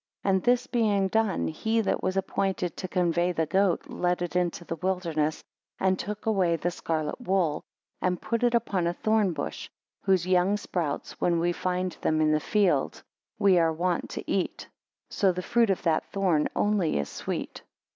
9 And this being done, he that was appointed to convey the goat, led it into the wilderness, and took away the scarlet wool, and put it upon a thorn bush, whose young sprouts, when we find them in the field, we are wont to eat: so the fruit of that thorn only is sweet.